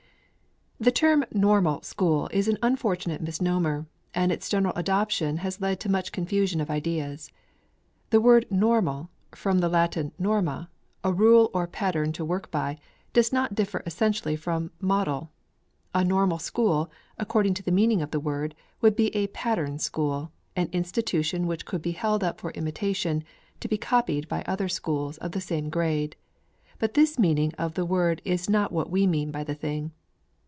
The term Normal School is an unfortunate misnomer, and its general adoption has led to much confusion of ideas. The word "Normal," from the Latin norma, a rule or pattern to work by, does not differ essentially from "Model." A Normal School, according to the meaning of the word, would be a pattern school, an institution which could be held up for imitation, to be copied by other schools of the same grade. But this meaning of the word is not what we mean by the thing.